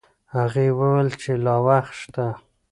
هغې وویل چې لا وخت شته.